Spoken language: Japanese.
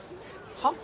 はっ？